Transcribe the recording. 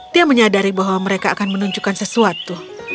dia menyadari bahwa mereka akan menunjukkan sesuatu